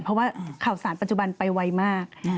เพราะว่าข่าวสารปัจจุบันไปไวมาก